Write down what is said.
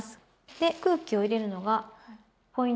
で空気を入れるのがポイントになります。